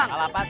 kalah apa c